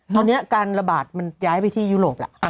ตอนนี้การระบาดมันย้ายไปที่ยุโรปแล้ว